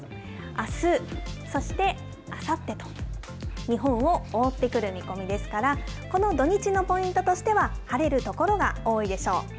あす、そしてあさってと、日本を覆ってくる見込みですから、この土日のポイントとしては、晴れる所が多いでしょう。